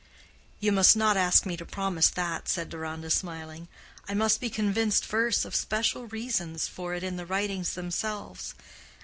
"You must not ask me to promise that," said Deronda, smiling. "I must be convinced first of special reasons for it in the writings themselves.